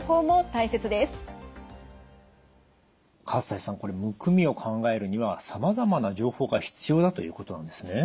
西さんこれむくみを考えるにはさまざまな情報が必要だということなんですね。